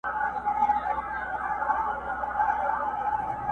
o خداى خپل بنده گوري، بيا پر اوري.